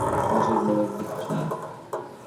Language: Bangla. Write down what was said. মানুষের চেয়ে বড় কিছু নাই।